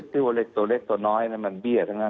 สิ่งตัวเล็กน้อยมันเบี้ยทั้งนั้นน่ะ